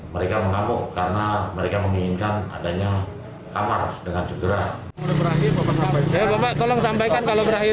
mereka mengamuk karena mereka menginginkan adanya kamar dengan segera